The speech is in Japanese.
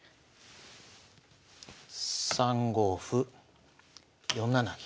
３五歩４七銀。